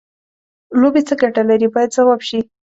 لوبې څه ګټه لري باید ځواب شي.